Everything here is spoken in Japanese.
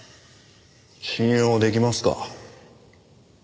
信用出来ますか？